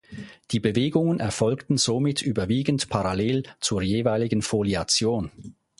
Die Bewegungen erfolgten somit überwiegend parallel zur jeweiligen Foliation.